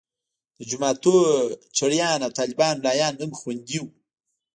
د جوماتونو چړیان او طالبان ملایان هم خوندي وو.